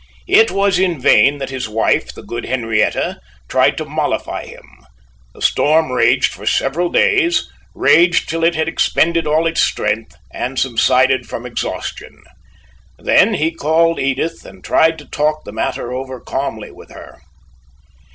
It was in vain that his wife, the good Henrietta, tried to mollify him; the storm raged for several days raged, till it had expended all its strength, and subsided from exhaustion. Then he called Edith and tried to talk the matter over calmly with her.